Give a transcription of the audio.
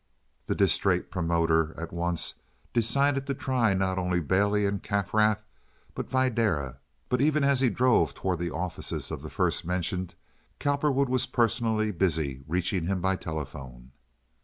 The distrait promoter at once decided to try not only Bailey and Kaffrath, but Videra; but even as he drove toward the office of the first mentioned Cowperwood was personally busy reaching him by telephone.